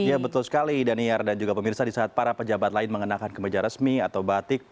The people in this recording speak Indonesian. ya betul sekali daniar dan juga pemirsa di saat para pejabat lain mengenakan kemeja resmi atau batik